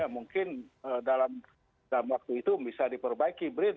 mungkin dalam waktu itu bisa diperbaiki brin